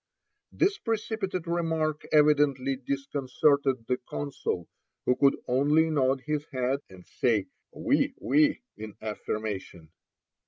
This precipitate remark evidently disconcerted the consul, who could only nod his head and say, "Oui, oui," in affirmation.